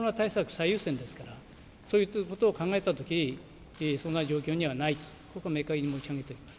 最優先ですから、そういうことを考えたとき、そんな状況にはないということを、明快に申し上げております。